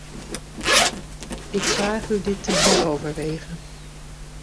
Ik vraag u dit te heroverwegen.